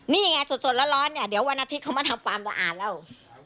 นี่ไงสดแล้วร้อนเดี๋ยววันอาทิตย์เค้ามาทำฟาร์มจะอ่านแล้ว